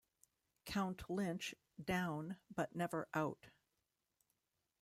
Count Lynch down but never out.